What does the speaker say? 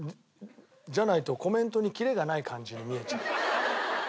じゃないとコメントにキレがない感じに見えちゃう。